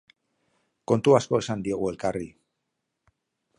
Kontu asko esan diogu elkarri.